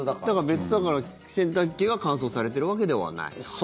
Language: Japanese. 別だから洗濯機が乾燥されてるわけではない。